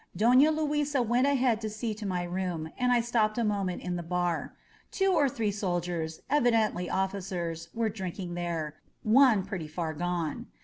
Dona Luisa went ahead to see to my room, and I stopped a moment in the bar. Two or three soldiers, evidently officers, were drinking there— one pretty far gone.